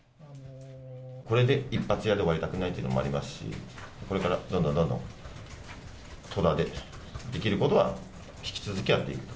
これで一発屋で終わりたくないっていうのもありますし、これからどんどんどんどん戸田でできることは引き続きやっていく。